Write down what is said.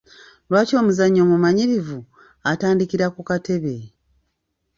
Lwaki omuzannyi omumanyirivu atandikira ku katebe?